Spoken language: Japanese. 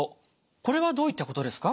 これはどういったことですか。